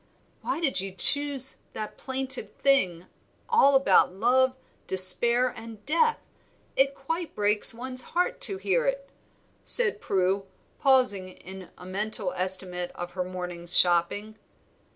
"Why did you choose that plaintive thing, all about love, despair, and death? It quite breaks one's heart to hear it," said Prue, pausing in a mental estimate of her morning's shopping.